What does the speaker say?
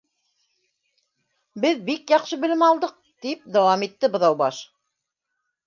—Беҙ бик яҡшы белем алдыҡ, —тип дауам итте Быҙаубаш